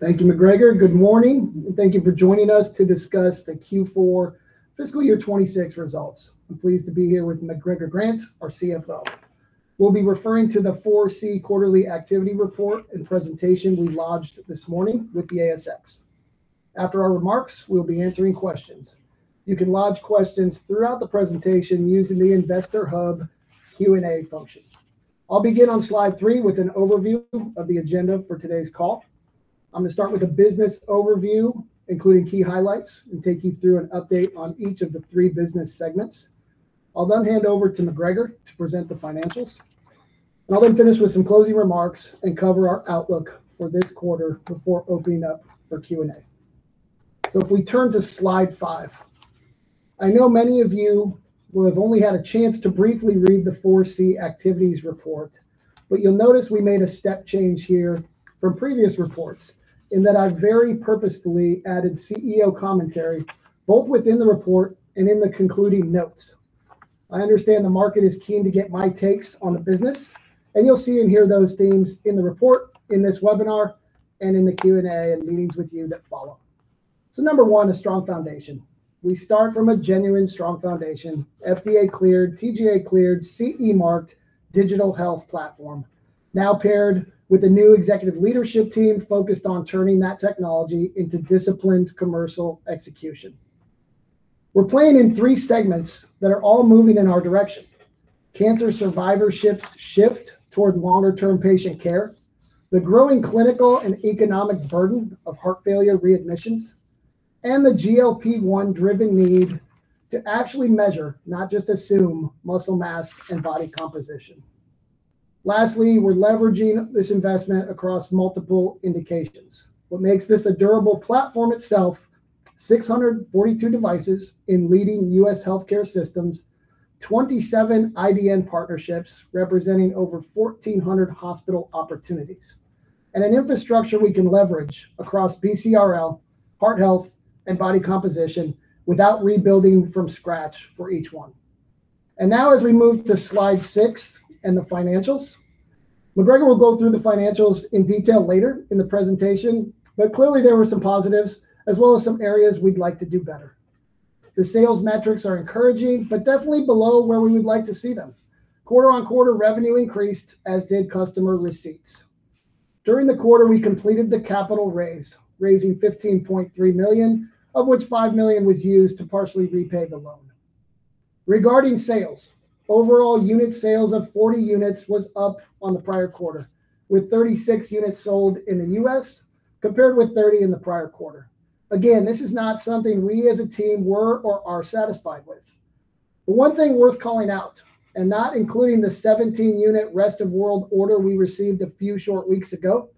Thank you, McGregor. Good morning, and thank you for joining us to discuss the Q4 fiscal year 2026 results. I am pleased to be here with McGregor Grant, our CFO. We will be referring to the 4C Quarterly Activity Report and presentation we lodged this morning with the ASX. After our remarks, we will be answering questions. You can lodge questions throughout the presentation using the Investor Hub Q&A function. I will begin on slide three with an overview of the agenda for today's call. I am going to start with a business overview, including key highlights, and take you through an update on each of the three business segments. I will hand over to McGregor to present the financials. I will then finish with some closing remarks and cover our outlook for this quarter before opening up for Q&A. If we turn to slide five, I know many of you will have only had a chance to briefly read the 4C Activities Report. You will notice we made a step change here from previous reports in that I very purposefully added CEO commentary both within the report and in the concluding notes. I understand the market is keen to get my takes on the business, and you will see and hear those themes in the report, in this webinar, and in the Q&A and meetings with you that follow. Number one, a strong foundation. We start from a genuine strong foundation, FDA-cleared, TGA-cleared, CE marked digital health platform, now paired with a new executive leadership team focused on turning that technology into disciplined commercial execution. We are playing in three segments that are all moving in our direction. Cancer Survivorship's shift toward longer-term patient care, the growing clinical and economic burden of heart failure readmissions, and the GLP-1-driven need to actually measure, not just assume, muscle mass and body composition. Lastly, we are leveraging this investment across multiple indications. What makes this a durable platform itself, 642 devices in leading U.S. healthcare systems, 27 IDN partnerships representing over 1,400 hospital opportunities, and an infrastructure we can leverage across BCRL, Heart Health, and Body Composition without rebuilding from scratch for each one. Now as we move to slide six and the financials, McGregor will go through the financials in detail later in the presentation. Clearly there were some positives as well as some areas we would like to do better. The sales metrics are encouraging, but definitely below where we would like to see them. Quarter-on-quarter revenue increased, as did customer receipts. During the quarter, we completed the capital raise, raising 15.3 million, of which 5 million was used to partially repay the loan. Regarding sales, overall unit sales of 40 units was up on the prior quarter, with 36 units sold in the U.S. compared with 30 in the prior quarter. Again, this is not something we as a team were or are satisfied with. One thing worth calling out, and not including the 17-unit rest of world order we received a few short weeks ago,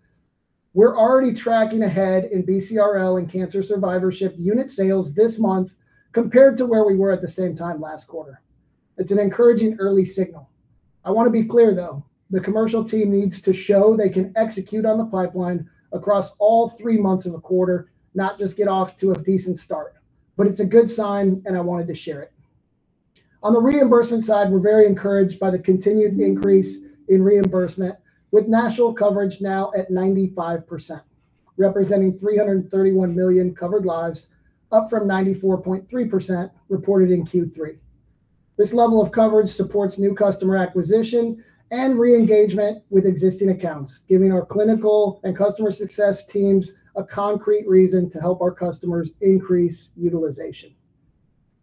we are already tracking ahead in BCRL and Cancer Survivorship unit sales this month compared to where we were at the same time last quarter. It is an encouraging early signal. I want to be clear, though, the commercial team needs to show they can execute on the pipeline across all three months of a quarter, not just get off to a decent start. It's a good sign, and I wanted to share it. On the reimbursement side, we're very encouraged by the continued increase in reimbursement with National coverage now at 95%, representing 331 million covered lives, up from 94.3% reported in Q3. This level of coverage supports new customer acquisition and re-engagement with existing accounts, giving our clinical and customer success teams a concrete reason to help our customers increase utilization.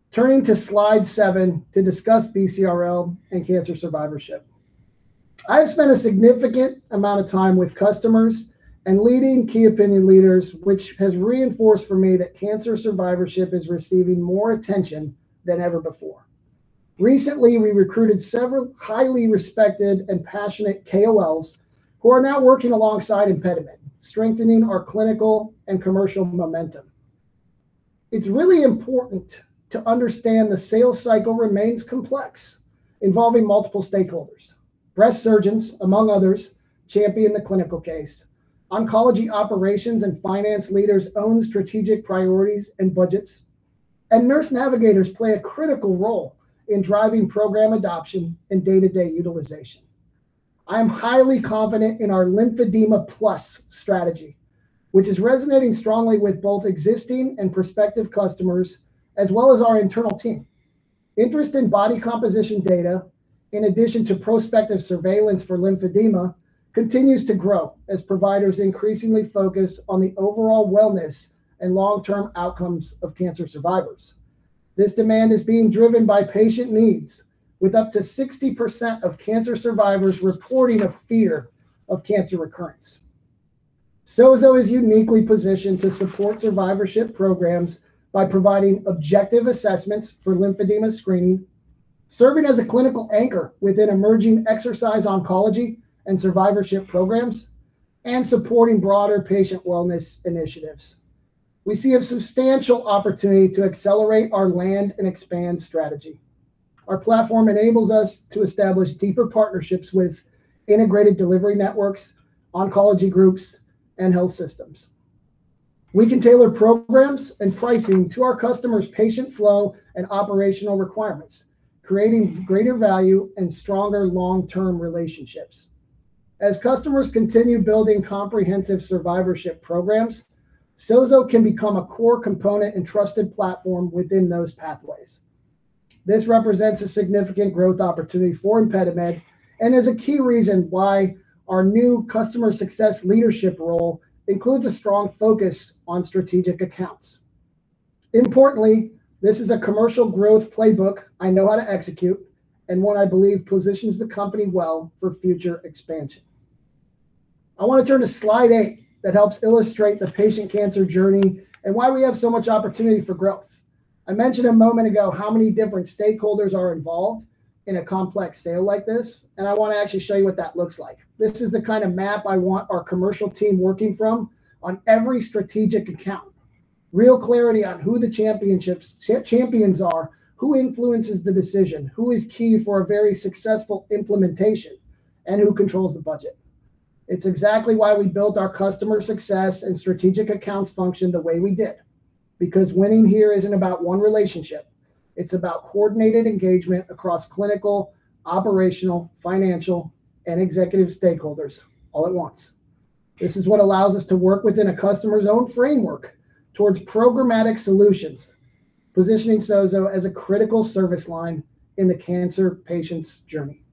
Turning to slide seven to discuss BCRL and Cancer Survivorship. I have spent a significant amount of time with customers and leading key opinion leaders, which has reinforced for me that Cancer Survivorship is receiving more attention than ever before. Recently, we recruited several highly respected and passionate KOLs who are now working alongside ImpediMed, strengthening our clinical and commercial momentum. It's really important to understand the sales cycle remains complex, involving multiple stakeholders. Breast surgeons, among others, champion the clinical case. Oncology operations and finance leaders own strategic priorities and budgets. Nurse navigators play a critical role in driving program adoption and day-to-day utilization. I am highly confident in our Lymphedema+ strategy, which is resonating strongly with both existing and prospective customers as well as our internal team. Interest in body composition data, in addition to prospective surveillance for lymphedema, continues to grow as providers increasingly focus on the overall wellness and long-term outcomes of cancer survivors. This demand is being driven by patient needs, with up to 60% of cancer survivors reporting a fear of cancer recurrence. SOZO is uniquely positioned to support survivorship programs by providing objective assessments for lymphedema screening, serving as a clinical anchor within emerging exercise oncology and survivorship programs, and supporting broader patient wellness initiatives. We see a substantial opportunity to accelerate our land and expand strategy. Our platform enables us to establish deeper partnerships with integrated delivery networks, oncology groups, and health systems. We can tailor programs and pricing to our customers' patient flow and operational requirements, creating greater value and stronger long-term relationships. As customers continue building comprehensive survivorship programs, SOZO can become a core component and trusted platform within those pathways. This represents a significant growth opportunity for ImpediMed and is a key reason why our new customer success leadership role includes a strong focus on strategic accounts. Importantly, this is a commercial growth playbook I know how to execute and one I believe positions the company well for future expansion. I want to turn to slide eight that helps illustrate the patient cancer journey and why we have so much opportunity for growth. I mentioned a moment ago how many different stakeholders are involved in a complex sale like this, I want to actually show you what that looks like. This is the kind of map I want our commercial team working from on every strategic account. Real clarity on who the champions are, who influences the decision, who is key for a very successful implementation, and who controls the budget. It's exactly why we built our customer success and strategic accounts function the way we did. Winning here isn't about one relationship, it's about coordinated engagement across clinical, operational, financial, and executive stakeholders all at once. This is what allows us to work within a customer's own framework towards programmatic solutions, positioning SOZO as a critical service line in the cancer patients' journey.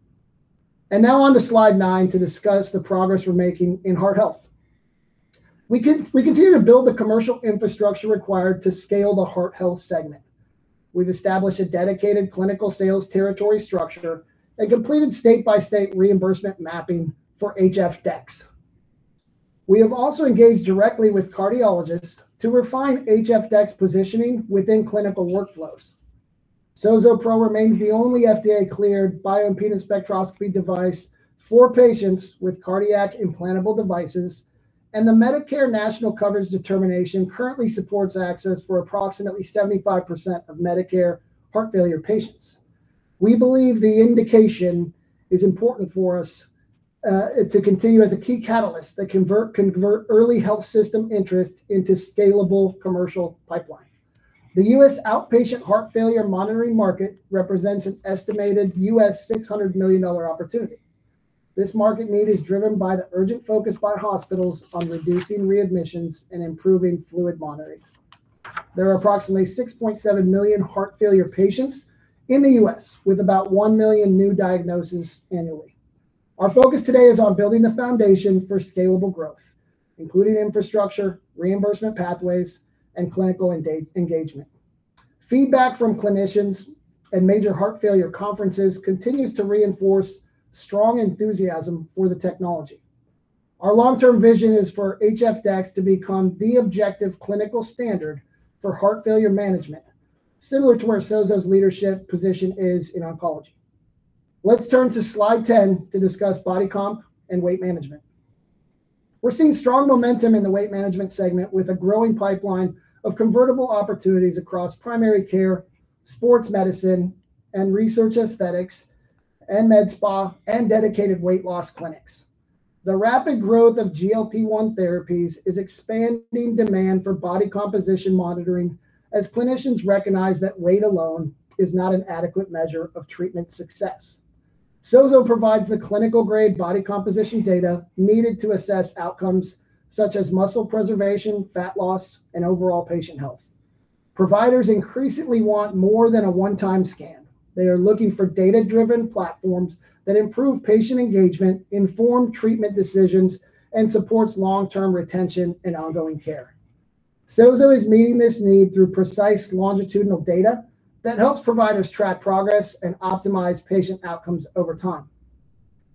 Now on to slide nine to discuss the progress we're making in Heart Health. We continue to build the commercial infrastructure required to scale the Heart Health segment. We've established a dedicated clinical sales territory structure and completed state-by-state reimbursement mapping for HF-Dex. We have also engaged directly with cardiologists to refine HF-Dex positioning within clinical workflows. SOZO Pro remains the only FDA-cleared bioimpedance spectroscopy device for patients with cardiac implantable devices, and the Medicare National Coverage Determination currently supports access for approximately 75% of Medicare heart failure patients. We believe the indication is important for us to continue as a key catalyst that convert early health system interest into scalable commercial pipeline. The U.S. outpatient heart failure monitoring market represents an estimated $600 million opportunity. This market need is driven by the urgent focus by hospitals on reducing readmissions and improving fluid monitoring. There are approximately 6.7 million heart failure patients in the U.S., with about 1 million new diagnoses annually. Our focus today is on building the foundation for scalable growth, including infrastructure, reimbursement pathways, and clinical engagement. Feedback from clinicians and major heart failure conferences continues to reinforce strong enthusiasm for the technology. Our long-term vision is for HF-Dex to become the objective clinical standard for heart failure management, similar to where SOZO's leadership position is in oncology. Let's turn to slide 10 to discuss Body Comp and Weight Management. We're seeing strong momentum in the Weight Management segment with a growing pipeline of convertible opportunities across primary care, sports medicine and research aesthetics, and med spa, and dedicated weight loss clinics. The rapid growth of GLP-1 therapies is expanding demand for body composition monitoring, as clinicians recognize that weight alone is not an adequate measure of treatment success. SOZO provides the clinical-grade body composition data needed to assess outcomes such as muscle preservation, fat loss, and overall patient health. Providers increasingly want more than a one-time scan. They are looking for data-driven platforms that improve patient engagement, inform treatment decisions, and supports long-term retention and ongoing care. SOZO is meeting this need through precise longitudinal data that helps providers track progress and optimize patient outcomes over time.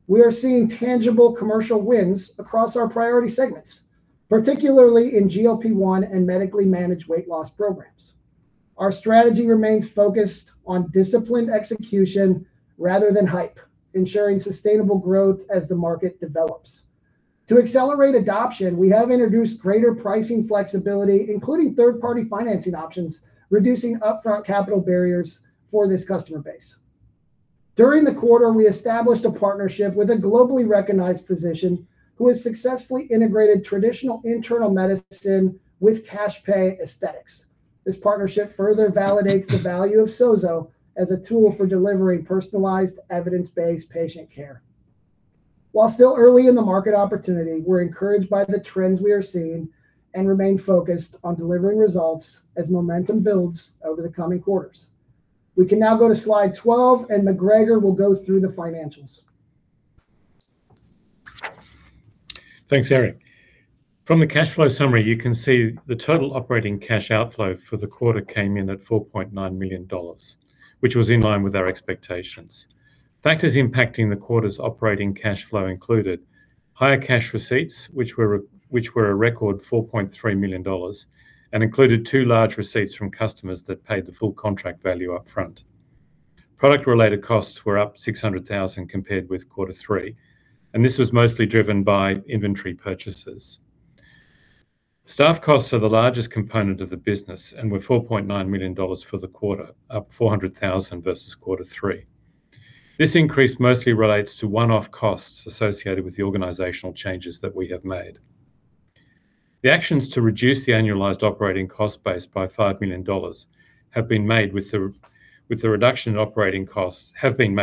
We are seeing tangible commercial wins across our priority segments, particularly in GLP-1 and medically managed weight loss programs. Our strategy remains focused on disciplined execution rather than hype, ensuring sustainable growth as the market develops. To accelerate adoption, we have introduced greater pricing flexibility, including third-party financing options, reducing upfront capital barriers for this customer base. During the quarter, we established a partnership with a globally recognized physician who has successfully integrated traditional internal medicine with cash pay aesthetics. This partnership further validates the value of SOZO as a tool for delivering personalized, evidence-based patient care. While still early in the market opportunity, we're encouraged by the trends we are seeing and remain focused on delivering results as momentum builds over the coming quarters. We can now go to slide 12, and McGregor will go through the financials. Thanks, Erik. From the cash flow summary, you can see the total operating cash outflow for the quarter came in at 4.9 million dollars, which was in line with our expectations. Factors impacting the quarter's operating cash flow included higher cash receipts, which were a record 4.3 million dollars and included two large receipts from customers that paid the full contract value upfront. Product-related costs were up 600,000 compared with quarter three, and this was mostly driven by inventory purchases. Staff costs are the largest component of the business and were 4.9 million dollars for the quarter, up 400,000 versus quarter three. This increase mostly relates to one-off costs associated with the organizational changes that we have made. The actions to reduce the annualized operating cost base by 5 million dollars have been made with the reduction in operating costs effective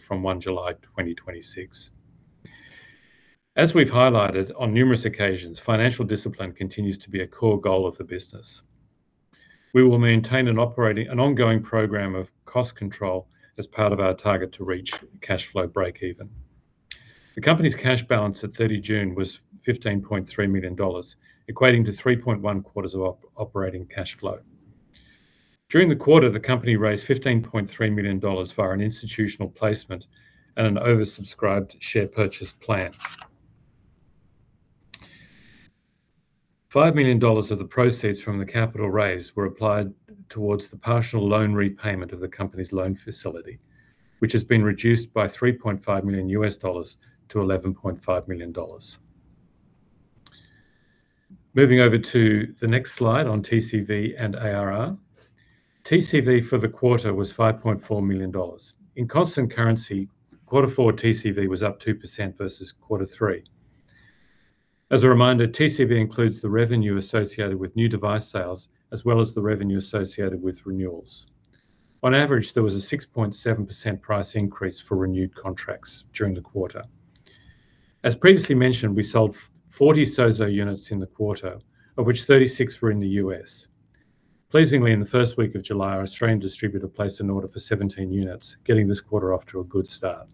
from 1 July 2026. As we've highlighted on numerous occasions, financial discipline continues to be a core goal of the business. We will maintain an ongoing program of cost control as part of our target to reach cash flow breakeven. The company's cash balance at 30 June was 15.3 million dollars, equating to 3.1 quarters of operating cash flow. During the quarter, the company raised 15.3 million dollars for an institutional placement and an oversubscribed share purchase plan. 5 million dollars of the proceeds from the capital raise were applied towards the partial loan repayment of the company's loan facility, which has been reduced by AUD 3.5 million to 11.5 million dollars. Moving over to the next slide on TCV and ARR. TCV for the quarter was 5.4 million dollars. In constant currency, quarter four TCV was up 2% versus quarter three. As a reminder, TCV includes the revenue associated with new device sales, as well as the revenue associated with renewals. On average, there was a 6.7% price increase for renewed contracts during the quarter. As previously mentioned, we sold 40 SOZO units in the quarter, of which 36 were in the U.S. Pleasingly, in the first week of July, our Australian distributor placed an order for 17 units, getting this quarter off to a good start.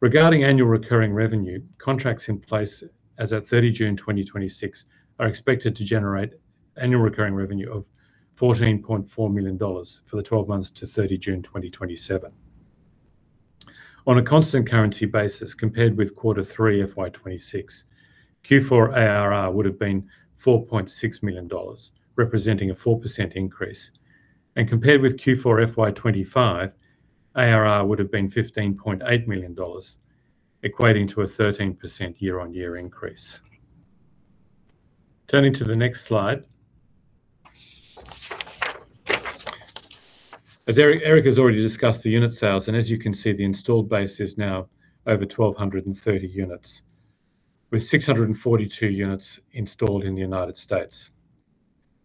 Regarding annual recurring revenue, contracts in place as at 30 June 2026 are expected to generate annual recurring revenue of 14.4 million dollars for the 12 months to 30 June 2027. On a constant currency basis compared with quarter three of FY 2026, Q4 ARR would've been 4.6 million dollars, representing a 4% increase. And compared with Q4 FY 2025, ARR would've been 15.8 million dollars, equating to a 13% year-on-year increase. Turning to the next slide. As Erik has already discussed the unit sales, and as you can see, the installed base is now over 1,230 units, with 642 units installed in the United States.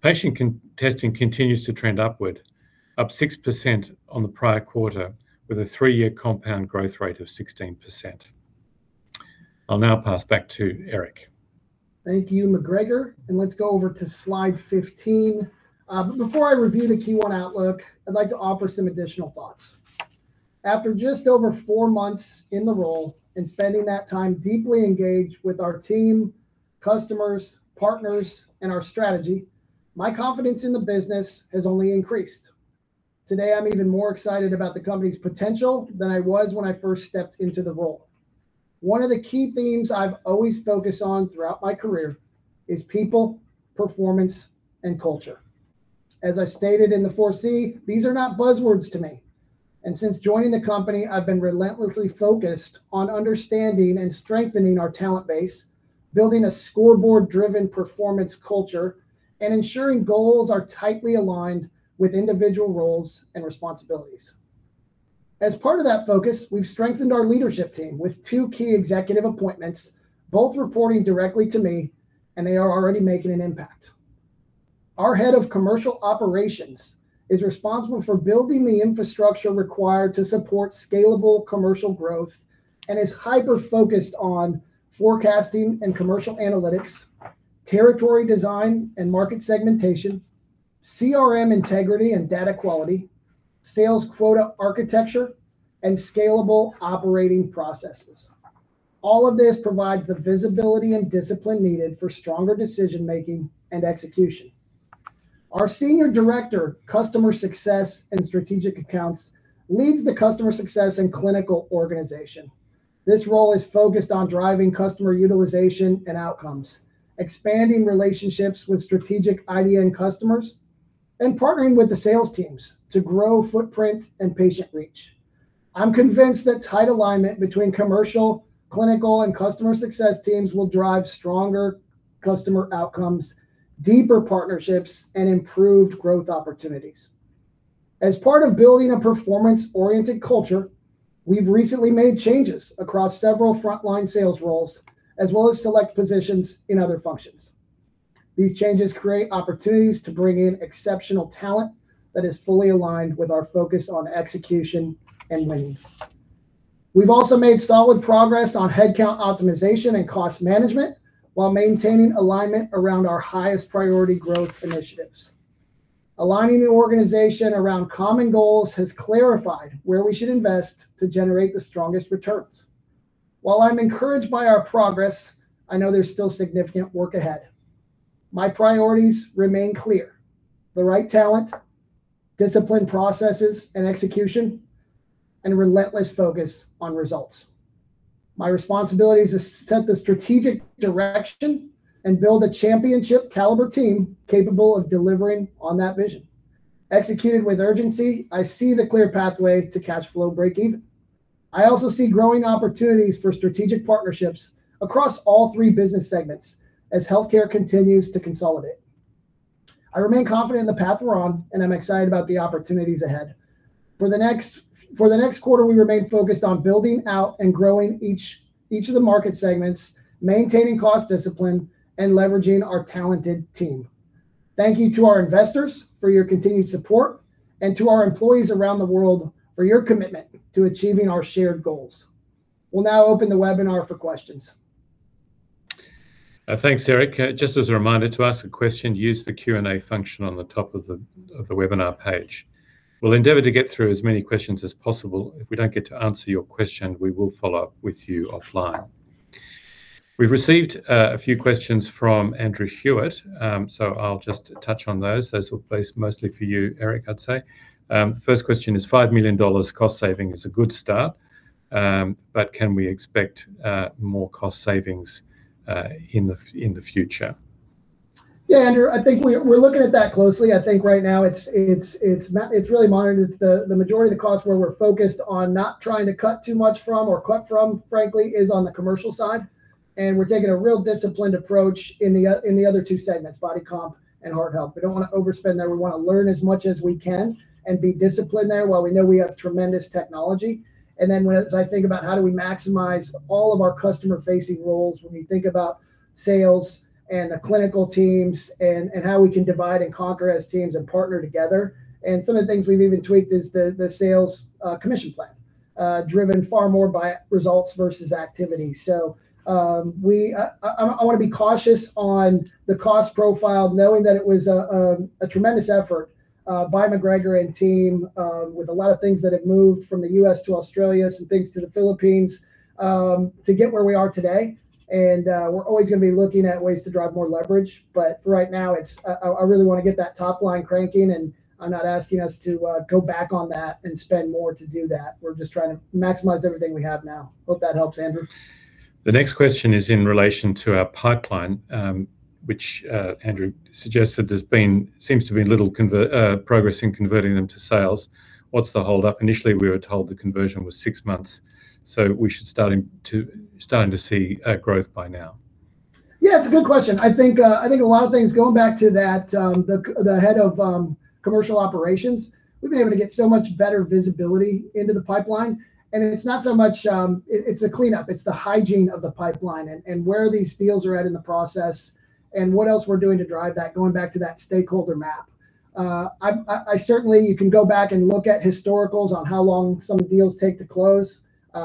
Patient testing continues to trend upward, up 6% on the prior quarter, with a three-year compound growth rate of 16%. I'll now pass back to Erik. Thank you, McGregor. Let's go over to slide 15. Before I review the Q1 outlook, I'd like to offer some additional thoughts. After just over four months in the role and spending that time deeply engaged with our team, customers, partners, and our strategy, my confidence in the business has only increased. Today, I'm even more excited about the company's potential than I was when I first stepped into the role. One of the key themes I've always focused on throughout my career is people, performance, and culture. As I stated in the 4C, these are not buzzwords to me. Since joining the company, I've been relentlessly focused on understanding and strengthening our talent base, building a scoreboard-driven performance culture, and ensuring goals are tightly aligned with individual roles and responsibilities. As part of that focus, we've strengthened our leadership team with two key executive appointments, both reporting directly to me. They are already making an impact. Our Head of Commercial Operations is responsible for building the infrastructure required to support scalable commercial growth and is hyper-focused on forecasting and commercial analytics, territory design and market segmentation, CRM integrity and data quality, sales quota architecture, and scalable operating processes. All of this provides the visibility and discipline needed for stronger decision-making and execution. Our Senior Director, Customer Success & Strategic Accounts, leads the customer success and clinical organization. This role is focused on driving customer utilization and outcomes, expanding relationships with strategic IDN customers, and partnering with the sales teams to grow footprint and patient reach. I'm convinced that tight alignment between commercial, clinical, and customer success teams will drive stronger customer outcomes, deeper partnerships, and improved growth opportunities. As part of building a performance-oriented culture, we've recently made changes across several frontline sales roles, as well as select positions in other functions. These changes create opportunities to bring in exceptional talent that is fully aligned with our focus on execution and winning. We've also made solid progress on headcount optimization and cost management while maintaining alignment around our highest priority growth initiatives. Aligning the organization around common goals has clarified where we should invest to generate the strongest returns. While I'm encouraged by our progress, I know there's still significant work ahead. My priorities remain clear: the right talent, disciplined processes and execution, and relentless focus on results. My responsibility is to set the strategic direction and build a championship caliber team capable of delivering on that vision. Executed with urgency, I see the clear pathway to cash flow breakeven. I also see growing opportunities for strategic partnerships across all three business segments as healthcare continues to consolidate. I remain confident in the path we're on. I'm excited about the opportunities ahead. For the next quarter, we remain focused on building out and growing each of the market segments, maintaining cost discipline, and leveraging our talented team. Thank you to our investors for your continued support and to our employees around the world for your commitment to achieving our shared goals. We'll now open the webinar for questions. Thanks, Erik. Just as a reminder, to ask a question, use the Q&A function on the top of the webinar page. We'll endeavor to get through as many questions as possible. If we don't get to answer your question, we will follow up with you offline. We've received a few questions from Andrew Hewitt. I'll just touch on those. Those are mostly for you, Erik, I'd say. First question is, "5 million dollars cost saving is a good start. Can we expect more cost savings in the future?" Yeah, Andrew, I think we're looking at that closely. I think right now it's really minor. The majority of the cost where we're focused on not trying to cut too much from or cut from, frankly, is on the commercial side. We're taking a real disciplined approach in the other two segments, Body Comp and Heart Health. We don't want to overspend there. We want to learn as much as we can and be disciplined there while we know we have tremendous technology. Then as I think about how do we maximize all of our customer-facing roles, when we think about sales and the clinical teams and how we can divide and conquer as teams and partner together. Some of the things we've even tweaked is the sales commission plan, driven far more by results versus activity. I want to be cautious on the cost profile, knowing that it was a tremendous effort by McGregor and team, with a lot of things that have moved from the U.S. to Australia, some things to the Philippines, to get where we are today. We're always going to be looking at ways to drive more leverage. For right now, I really want to get that top line cranking, and I'm not asking us to go back on that and spend more to do that. We're just trying to maximize everything we have now. Hope that helps, Andrew. The next question is in relation to our pipeline, which Andrew suggests that there seems to be little progress in converting them to sales. What's the hold-up? Initially, we were told the conversion was six months. We should be starting to see a growth by now. It's a good question. A lot of things, going back to the Head of Commercial Operations, we've been able to get so much better visibility into the pipeline, and it's a cleanup. It's the hygiene of the pipeline and where these deals are at in the process and what else we're doing to drive that, going back to that stakeholder map. Certainly, you can go back and look at historicals on how long some deals take to close.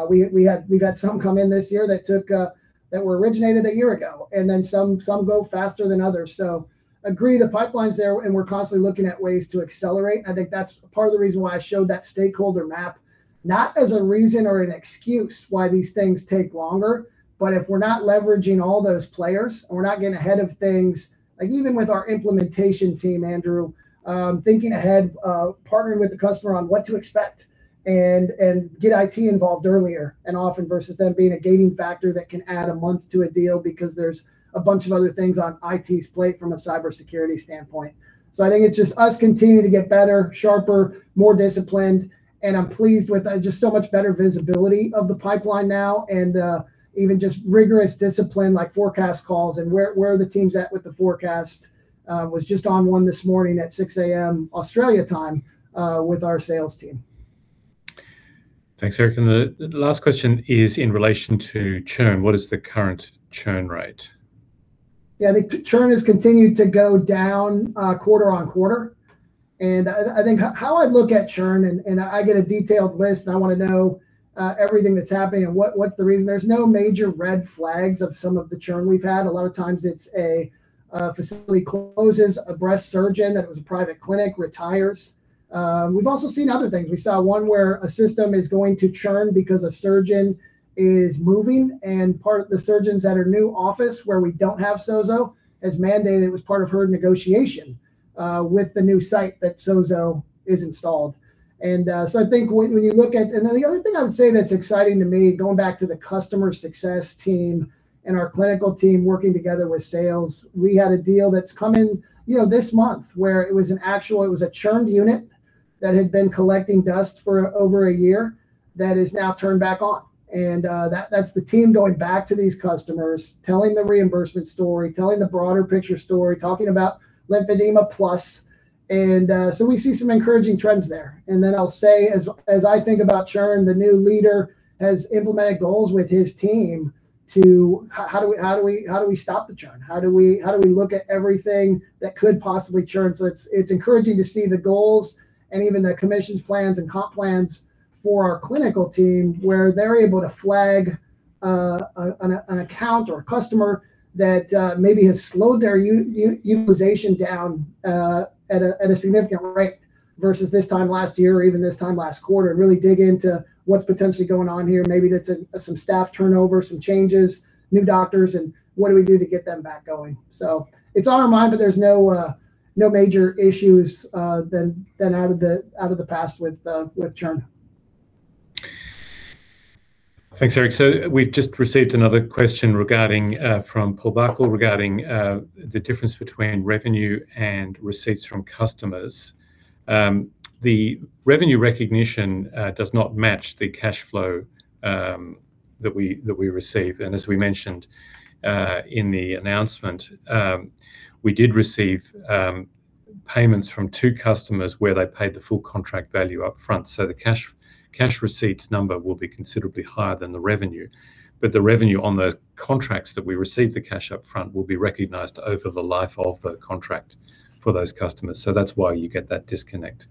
We've had some come in this year that were originated a year ago, and then some go faster than others. Agree the pipeline's there, and we're constantly looking at ways to accelerate. That's part of the reason why I showed that stakeholder map, not as a reason or an excuse why these things take longer, but if we're not leveraging all those players, and we're not getting ahead of things. Even with our implementation team, Andrew, thinking ahead, partnering with the customer on what to expect and get IT involved earlier and often versus them being a gating factor that can add one month to a deal because there's a bunch of other things on IT's plate from a cybersecurity standpoint. It's just us continuing to get better, sharper, more disciplined, and I'm pleased with just so much better visibility of the pipeline now and even just rigorous discipline, like forecast calls and where are the teams at with the forecast. I was just on one this morning at 6:00 A.M. Australia time with our sales team. Thanks, Erik. The last question is in relation to churn. What is the current churn rate? Churn has continued to go down quarter-on-quarter, and how I look at churn, and I get a detailed list, and I want to know everything that's happening and what's the reason. There's no major red flags of some of the churn we've had. A lot of times it's a facility closes, a breast surgeon that was a private clinic retires. We've also seen other things. We saw one where a system is going to churn because a surgeon is moving and part of the surgeons at her new office, where we don't have SOZO, has mandated it was part of her negotiation with the new site that SOZO is installed. The other thing I would say that's exciting to me, going back to the customer success team and our clinical team working together with sales, we had a deal that's come in this month where it was a churned unit that had been collecting dust for over a year that is now turned back on. That's the team going back to these customers, telling the reimbursement story, telling the broader picture story, talking about Lymphedema+. We see some encouraging trends there. I'll say, as I think about churn, the new leader has implemented goals with his team to how do we stop the churn? How do we look at everything that could possibly churn? It's encouraging to see the goals and even the commissions plans and comp plans for our clinical team, where they're able to flag an account or a customer that maybe has slowed their utilization down at a significant rate versus this time last year or even this time last quarter, and really dig into what's potentially going on here. Maybe that's some staff turnover, some changes, new doctors, and what do we do to get them back going? It's on our mind, but there's no major issues than out of the past with churn. Thanks, Erik. We've just received another question from Paul Buckle regarding the difference between revenue and receipts from customers. The revenue recognition does not match the cash flow that we receive. As we mentioned in the announcement, we did receive payments from two customers where they paid the full contract value upfront. The cash receipts number will be considerably higher than the revenue, but the revenue on the contracts that we received the cash upfront will be recognized over the life of the contract for those customers. That's why you get that disconnect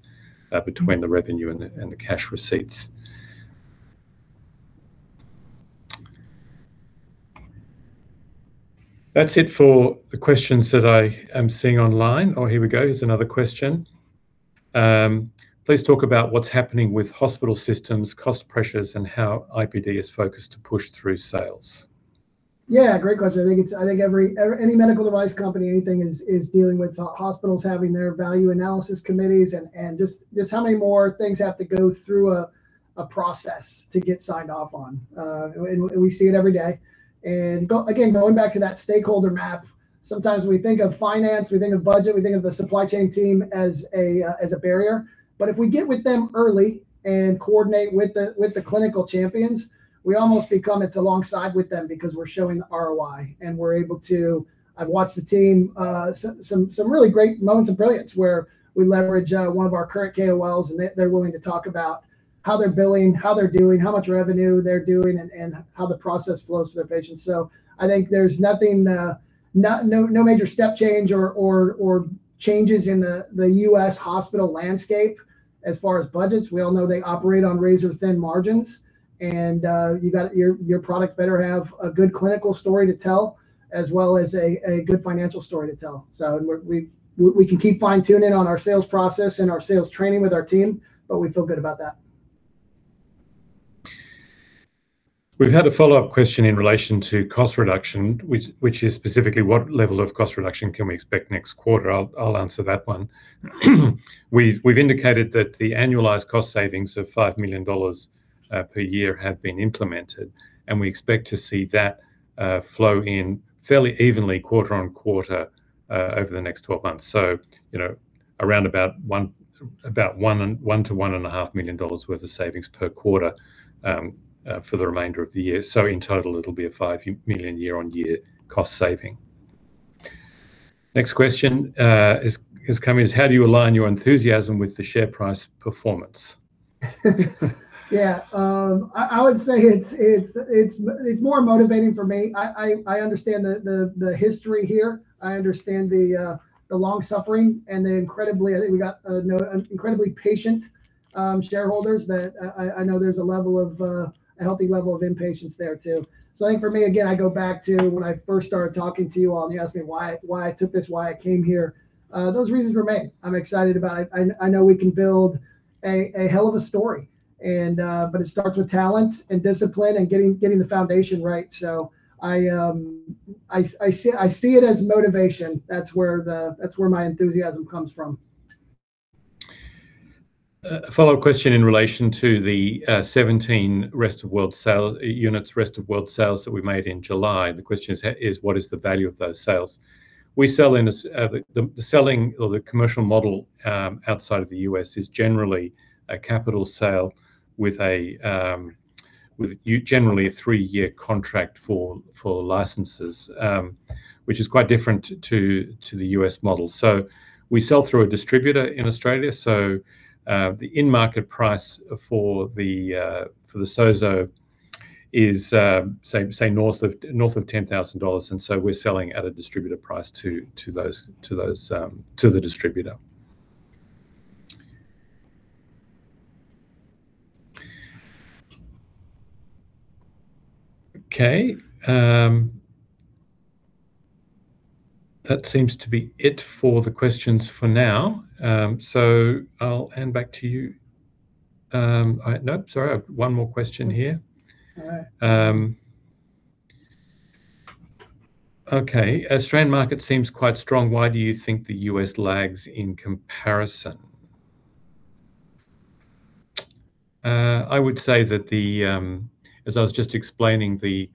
between the revenue and the cash receipts. That's it for the questions that I am seeing online. Oh, here we go. Here's another question. Please talk about what's happening with hospital systems, cost pressures, and how IPD is focused to push through sales. Yeah, great question. I think any medical device company, anything is dealing with hospitals having their value analysis committees and just how many more things have to go through a process to get signed off on. We see it every day. Again, going back to that stakeholder map, sometimes we think of finance, we think of budget, we think of the supply chain team as a barrier. If we get with them early and coordinate with the clinical champions, we almost become it's alongside with them because we're showing the ROI. I've watched the team, some really great moments of brilliance where we leverage one of our current KOLs, and they're willing to talk about how they're billing, how they're doing, how much revenue they're doing, and how the process flows for their patients. I think there's no major step change or changes in the U.S. hospital landscape as far as budgets. We all know they operate on razor-thin margins, and your product better have a good clinical story to tell as well as a good financial story to tell. We can keep fine-tuning on our sales process and our sales training with our team, but we feel good about that. We've had a follow-up question in relation to cost reduction, which is specifically what level of cost reduction can we expect next quarter? I'll answer that one. We've indicated that the annualized cost savings of 5 million dollars per year have been implemented, and we expect to see that flow in fairly evenly quarter-on-quarter over the next 12 months. Around about 1 million-1.5 million dollars worth of savings per quarter for the remainder of the year. In total, it'll be an 5 million year-on-year cost saving. Next question: how do you align your enthusiasm with the share price performance? I would say it's more motivating for me. I understand the history here. I understand the long-suffering and the incredibly, I think we've got incredibly patient shareholders that I know there's a healthy level of impatience there, too. I think for me, again, I go back to when I first started talking to you all, and you asked me why I took this, why I came here. Those reasons remain. I'm excited about it. I know we can build a hell of a story. It starts with talent and discipline and getting the foundation right. I see it as motivation. That's where my enthusiasm comes from. A follow-up question in relation to the 17 units rest of world sales that we made in July. The question is: what is the value of those sales? The selling or the commercial model outside of the U.S. is generally a capital sale with generally a three-year contract for licenses, which is quite different to the U.S. model. We sell through a distributor in Australia, so the in-market price for the SOZO is say north of 10,000 dollars. We're selling at a distributor price to the distributor. Okay. That seems to be it for the questions for now. I'll hand back to you. Nope, sorry. One more question here. All right. Okay. Australian market seems quite strong. Why do you think the U.S. lags in comparison? I would say that, as I was just explaining, we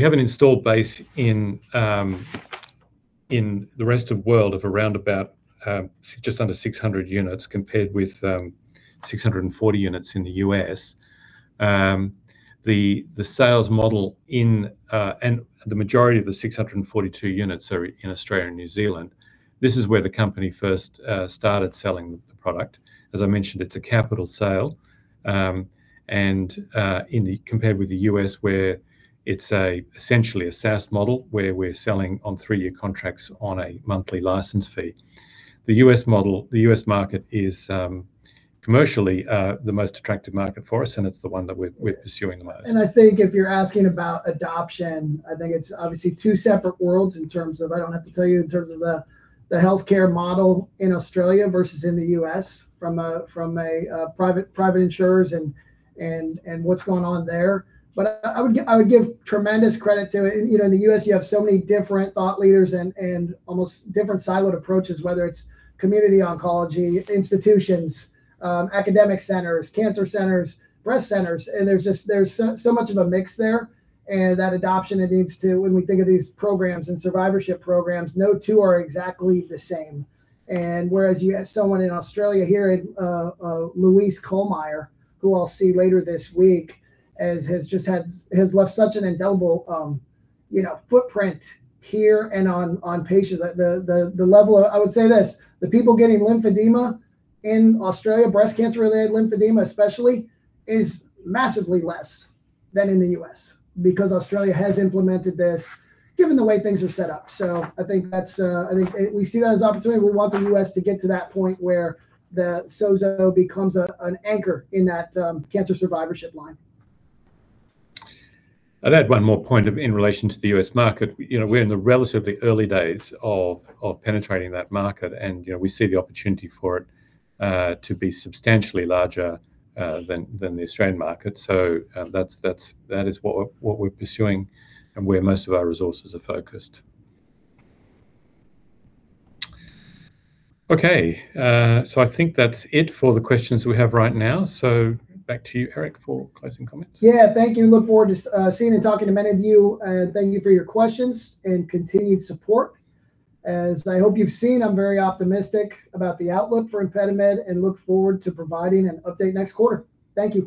have an installed base in the rest of world of around about just under 600 units, compared with 640 units in the U.S. The majority of the 642 units are in Australia and New Zealand. This is where the company first started selling the product. As I mentioned, it's a capital sale, compared with the U.S. where it's essentially a SaaS model where we're selling on three-year contracts on a monthly license fee. The U.S. market is commercially the most attractive market for us, and it's the one that we're pursuing the most. I think if you're asking about adoption, I think it's obviously two separate worlds in terms of, I don't have to tell you, in terms of the healthcare model in Australia versus in the U.S. from a private insurers and what's going on there. I would give tremendous credit to, in the U.S., you have so many different thought leaders and almost different siloed approaches, whether it's community oncology institutions, academic centers, cancer centers, breast centers, and there's so much of a mix there. That adoption, when we think of these programs and survivorship programs, no two are exactly the same. Whereas you have someone in Australia here, Louise Koelmeyer, who I'll see later this week, has left such an indelible footprint here and on patients. I would say this, the people getting lymphedema in Australia, breast cancer-related lymphedema especially, is massively less than in the U.S. because Australia has implemented this given the way things are set up. I think we see that as an opportunity. We want the U.S. to get to that point where the SOZO becomes an anchor in that Cancer Survivorship line. I'd add one more point in relation to the U.S. market. We're in the relatively early days of penetrating that market, and we see the opportunity for it to be substantially larger than the Australian market. That is what we're pursuing and where most of our resources are focused. I think that's it for the questions we have right now. Back to you, Erik, for closing comments. Thank you. Look forward to seeing and talking to many of you, thank you for your questions and continued support. As I hope you've seen, I'm very optimistic about the outlook for ImpediMed and look forward to providing an update next quarter. Thank you.